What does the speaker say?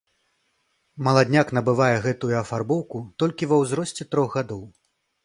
Маладняк набывае гэтую афарбоўку толькі ва ўзросце трох гадоў.